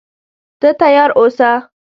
ته تیار اوسه.